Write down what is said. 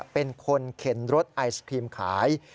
เป็นคนเข็นรถไอศครีมขาย